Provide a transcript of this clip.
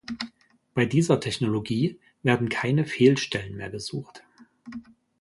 Bei dieser Technologie werden keine Fehlstellen mehr gesucht.